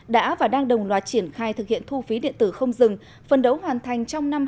đã và đang đồng loạt triển khai thực hiện thu phí địa bàn